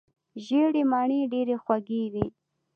ژېړې مڼې ډېرې خوږې وي.